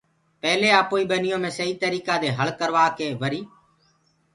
پيلي آپوئي ٻنيو مي سئي تريڪآ دي هݪ ڪروآڪي وري